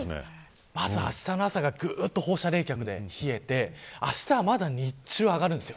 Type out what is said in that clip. あしたの朝が放射冷却で冷えてあしたは日中まだ上がるんです。